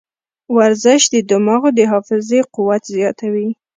ورزش د دماغو د حافظې قوت زیاتوي.